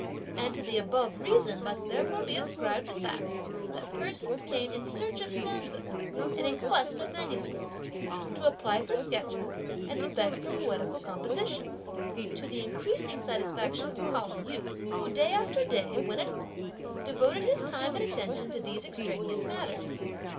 And to the above reasons must therefore be ascribed the fact that persons came in search of stanzas and in quest of manuscripts, to apply for sketches and to beg for poetical compositions, to the increasing satisfaction of Pao yü, who day after day, when at home, devoted his time and attention to these extraneous matters.